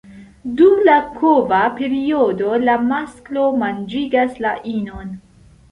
Dum la kova periodo, la masklo manĝigas la inon.